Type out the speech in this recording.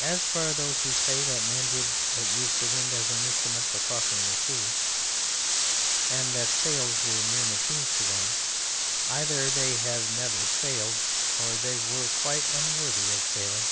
As for those who say that men did but use the wind as an instrument for crossing the sea, and that sails were mere machines to them, either they have never sailed or they were quite unworthy of sailing.